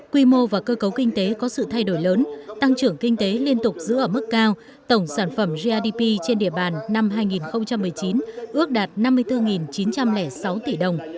quy mô và cơ cấu kinh tế có sự thay đổi lớn tăng trưởng kinh tế liên tục giữ ở mức cao tổng sản phẩm grdp trên địa bàn năm hai nghìn một mươi chín ước đạt năm mươi bốn chín trăm linh sáu tỷ đồng